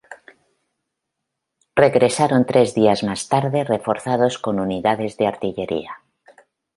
Regresaron tres días más tarde reforzados con unidades de artillería.